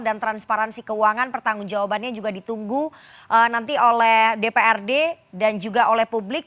dan transparansi keuangan pertanggung jawabannya juga ditunggu nanti oleh dprd dan juga oleh publik